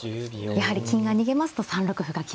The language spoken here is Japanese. やはり金が逃げますと３六歩が厳しいと。